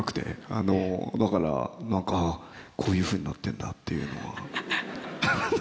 あのだから何かああこういうふうになってんだっていうのは。